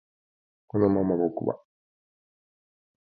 このまま僕は